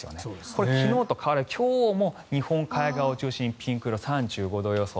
これ、昨日と変わらず今日も日本海側を中心に３５度予想。